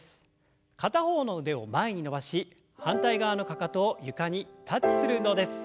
片方の腕を前に伸ばし反対側のかかとを床にタッチする運動です。